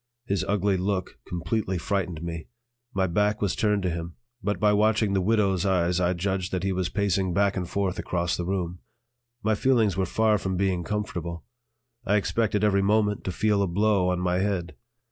His ugly look completely frightened me. My back was turned to him, but by watching the "widow's" eyes I judged that he was pacing back and forth across the room. My feelings were far from being comfortable; I expected every moment to feel a blow on my head.